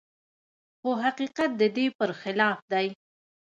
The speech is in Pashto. خو حقيقت د دې پرخلاف دی.